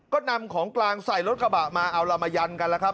ก็นำของกลางใส่รถกระบะมาเอาเรามายันกันแล้วครับ